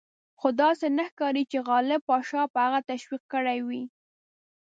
خو داسې نه ښکاري چې غالب پاشا به هغه تشویق کړی وي.